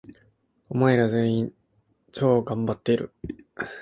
お前ら、全員、超がんばっている！！！